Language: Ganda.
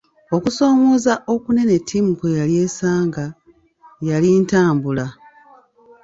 Okusoomooza okunene ttiimu kwe yali esanga, yali ntambula.